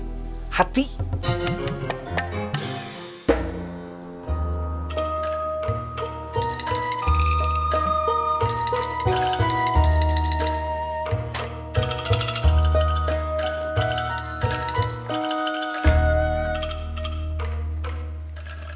yang selalu berada di atas kaki